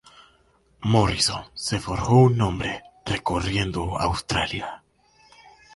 Morrison se forjó un nombre recorriendo Australia.